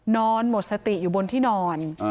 นอนหมดสติอยู่บนที่นอน